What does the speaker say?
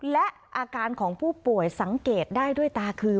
และอาการของผู้ป่วยสังเกตได้ด้วยตาคือ